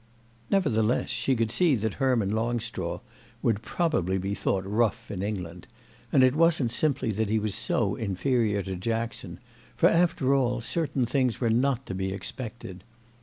Nevertheless she could see that Herman Longstraw would probably be thought rough in England; and it wasn't simply that he was so inferior to Jackson, for, after all, certain things were not to be expected.